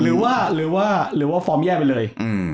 หรือว่าหรือว่าหรือว่าฟอร์มแย่ไปเลย